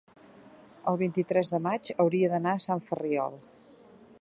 el vint-i-tres de maig hauria d'anar a Sant Ferriol.